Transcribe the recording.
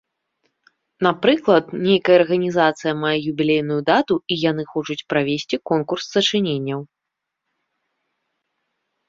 Напрыклад, нейкая арганізацыя мае юбілейную дату і яны хочуць правесці конкурс сачыненняў.